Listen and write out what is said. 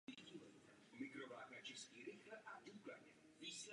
Film je druhým dílem volné trilogie Josefa Škvoreckého.